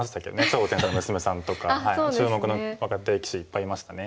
張栩さんの娘さんとか注目の若手棋士いっぱいいましたね。